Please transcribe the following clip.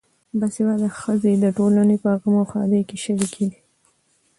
باسواده ښځې د ټولنې په غم او ښادۍ کې شریکې دي.